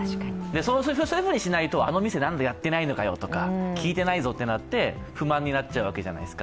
そういうふうにしないと、あの店、何だよやってないのかよ、聞いてないぞとなって不満になっちゃうわけじゃないですか。